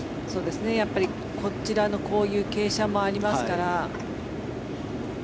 こちらのこういう傾斜もありますから。